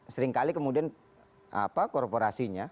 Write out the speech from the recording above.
seringkali kemudian korporasinya